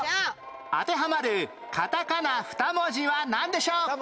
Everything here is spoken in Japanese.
当てはまるカタカナ２文字はなんでしょう？